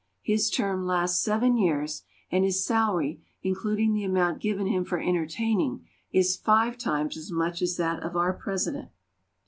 His term lasts seven years, and his salary, including the amount given him for entertaining, is five times as much as that of our President.